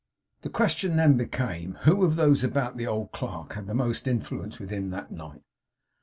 The question then became, who of those about the old clerk had had most influence with him that night?